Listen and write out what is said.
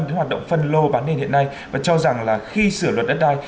cái hoạt động phân lô bán nền hiện nay và cho rằng là khi sửa luật đất đai